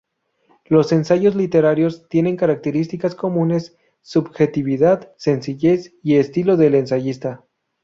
Los ensayos literarios tienen características comunes: subjetividad, sencillez y estilo del ensayista.